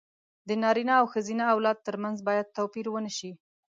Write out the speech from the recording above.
د نارينه او ښځينه اولاد تر منځ بايد توپير ونشي.